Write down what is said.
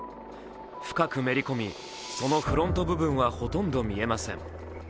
深くめり込み、そのフロント部分はほとんど見えません。